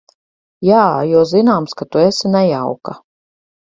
Jā, jo zināms, ka tu esi nejauka.